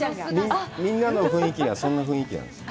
みんなの雰囲気がそんな雰囲気なんです。